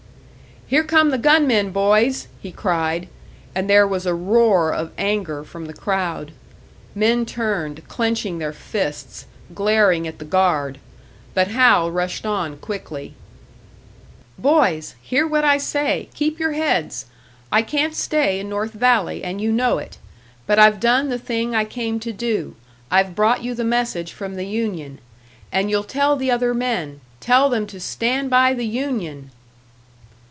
"Here come the gunmen, boys!" he cried; and there was a roar of anger from the crowd. Men turned, clenching their fists, glaring at the guard. But Hal rushed on, quickly: "Boys, hear what I say! Keep your heads! I can't stay in North Valley, and you know it! But I've done the thing I came to do, I've brought you the message from the union. And you'll tell the other men tell them to stand by the union!"